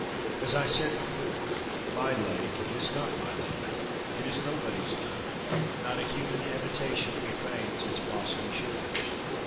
As I said before, my Lake is not my Lake. It is nobody's Lake. Not a human habitation profanes its bosky shores.